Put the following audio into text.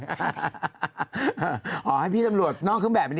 เออให้พี่ตำรวจน้องเครื่องแบบนีกสิ